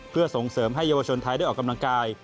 เพื่อส่งเสริมให้เยาวชนไทยได้ออกกำลังกาย